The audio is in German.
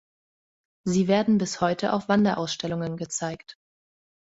Sie werden bis heute auf Wanderausstellungen gezeigt.